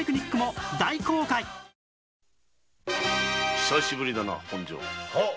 久しぶりだな本庄。